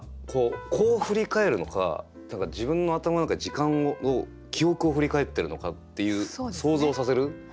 こう振り返るのか自分の頭の中で時間を記憶を振り返ってるのかっていう想像させる。